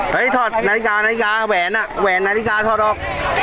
เฮ้ยถอดนาฬิกานาฬิกาแหวนนาฬิกาถอดออก